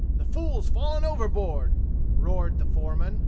The fool's fallen overboard!" roared the foreman.